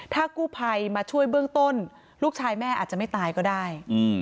ถ้ากู้ภัยมาช่วยเบื้องต้นลูกชายแม่อาจจะไม่ตายก็ได้